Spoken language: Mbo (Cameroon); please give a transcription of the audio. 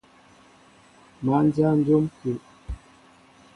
Má ndyă njóm kúw.